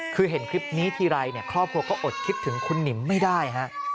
คือเห็นคลิปนี้ทีไรเนี่ยครอบครัวก็อดคิดถึงคุณหนิมไม่ได้ฮะ